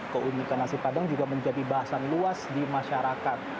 keunikan nasi padang juga menjadi bahasan luas di masyarakat